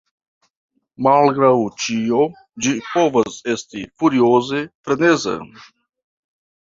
Malgraŭ ĉio ĝi povas esti furioze freneza.